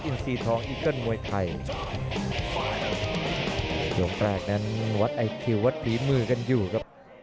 อินสีทองอิกเกิ้ลมวยไทยโดยลงแปลกนั้นวัดไอคิววัดพรีมือกันอยู่ครับ